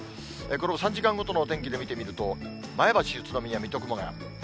これを３時間ごとのお天気で見てみると、前橋、宇都宮、水戸、熊谷。